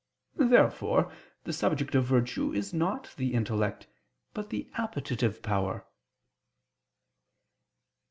Therefore the subject of virtue is not the intellect, but the appetitive power.